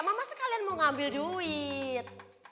mama sih kalian mau ngambil duit